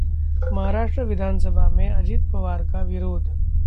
महाराष्ट्र विधानसभा में अजित पवार का विरोध